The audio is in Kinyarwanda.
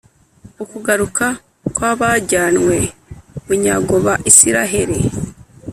Ukugaruka kw’abajyanywe bunyago ba Israheli